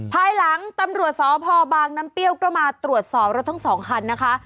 ภายหลังตำรวจสพบางน้ำเปรี้ยวก็มาตรวจสอบรถทั้งสองคันนะคะ